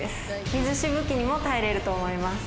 水しぶきにも耐えれると思います。